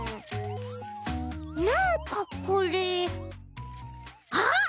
なんかこれあっ！